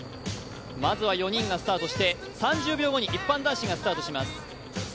まずは４人がスタートして３０秒後に一般男子がスタートします。